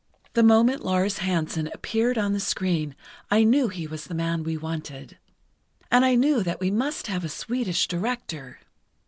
"The moment Lars Hansen appeared on the screen, I knew he was the man we wanted. And I knew that we must have a Swedish director.